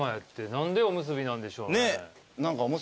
何でおむすびなんでしょうね。